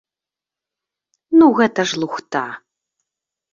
Ну гэта ж лухта!